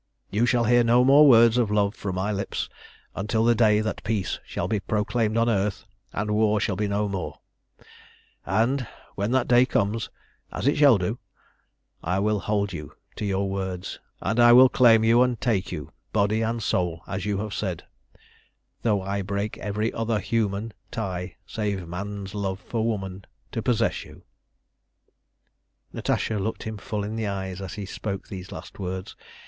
You shall hear no more words of love from my lips until the day that peace shall be proclaimed on earth and war shall be no more; and when that day comes, as it shall do, I will hold you to your words, and I will claim you and take you, body and soul, as you have said, though I break every other human tie save man's love for woman to possess you." Natasha looked him full in the eyes as he spoke these last words.